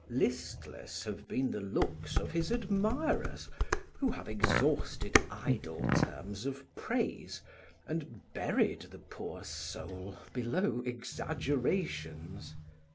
Listless have been the looks of his admirers, who have exhausted idle terms of praise, and buried the poor soul below exaggerations.